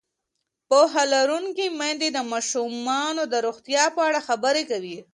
پوهه لرونکې میندې د ماشومانو د روغتیا په اړه خبرې کوي.